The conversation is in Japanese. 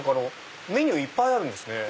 メニューいっぱいあるんですね。